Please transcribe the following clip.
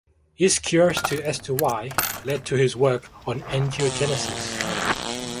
His curiosity as to why led to his work on angiogenesis.